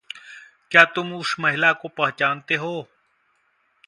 क्या तुम उस महिला को पहचानते हो?